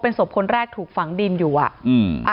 เป็นศพคนแรกถูกฝังดินอยู่อะ